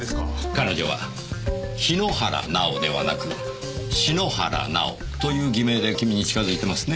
彼女は「桧原奈緒」ではなく「篠原奈緒」という偽名でキミに近づいてますね。